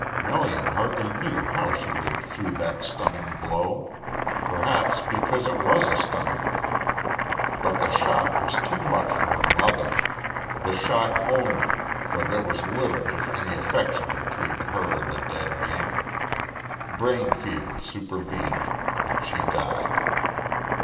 Melian hardly knew how she lived through that stunning blow perhaps because it was a stunning one. But the shock was too much for her mother the shock only, for there was little if any affection between her and the dead man. Brain fever supervened and she died.